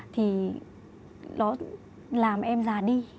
thì nó làm em già đi